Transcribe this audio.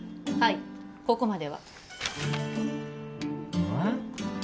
はいここまではえっ？